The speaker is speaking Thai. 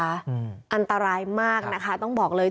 อันตรายมากนะคะต้องบอกเลย